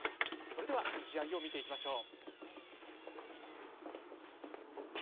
それでは試合を見ていきましょう。